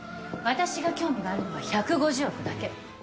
「私が興味があるのは１５０億だけ」